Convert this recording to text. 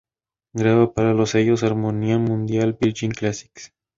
Graba para los sellos Harmonia Mundi y Virgin Classics.